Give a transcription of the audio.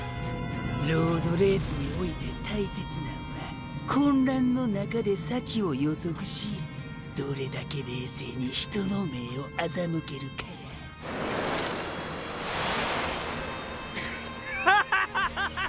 ロードレースにおいて大切なんは混乱の中で先を予測しどれだけ冷静に人の目をあざむけるかやっはははははは！！